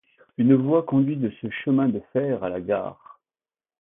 Une voie conduit de ce chemin de fer à la gare.